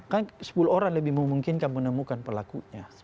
kan sepuluh orang lebih memungkinkan menemukan pelakunya